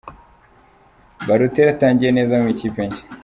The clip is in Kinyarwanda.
Balotelli atangiye neza mu ikipe nshya